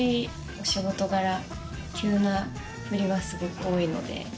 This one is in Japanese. お仕事柄急なふりはすごく多いので。